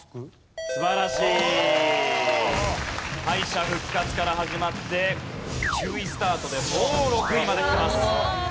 敗者復活から始まって９位スタートでもう６位まで来てます。